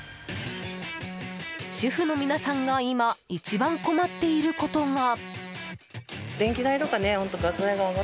主婦の皆さんが今一番困っていることが。